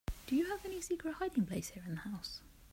Do you have any secret hiding place here in the house?